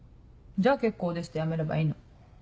「じゃあ結構です」ってやめればいいの。